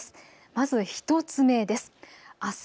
まず１つ目です。